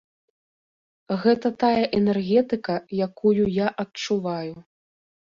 Гэта тая энергетыка, якую я адчуваю.